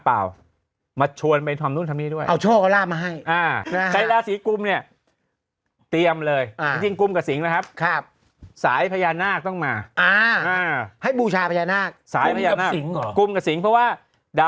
สาวก็จะยุ่งทุ่งนังหมด